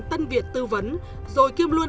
tân việt tư vấn rồi kiêm luôn